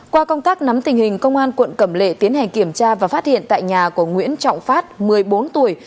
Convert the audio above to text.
qua công tác nắm tình hình công an quận cẩm lệ tiến hành kiểm tra và phát hiện tại nhà của nguyễn trọng phát một mươi bốn tuổi